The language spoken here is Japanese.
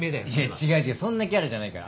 違う違うそんなキャラじゃないから。